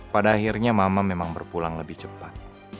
pada akhirnya mama memang berpulang lebih cepat